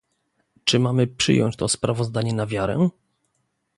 Czy mamy przyjąć to sprawozdanie na wiarę?